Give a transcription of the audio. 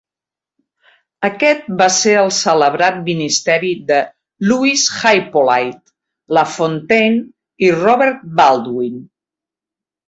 Aquest va ser el celebrat ministeri de Louis-Hippolyte Lafontaine i Robert Baldwin.